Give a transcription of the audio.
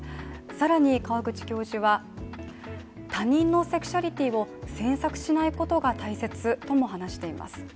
さらに河口教授は他人のセクシュアリティを詮索しないことが大切とも話しています。